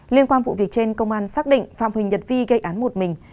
liên quan vụ việc trên công an xác định phạm huỳnh nhật vi gây án một mình